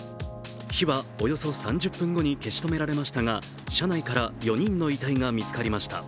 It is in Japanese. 火はおよそ３０分後に消し止められましたが車内から４人の遺体が見つかりました。